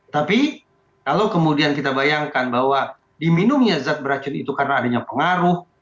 tapi kalau kemudian kita bayangkan bahwa diminumnya zat beracun itu karena adanya pengaruh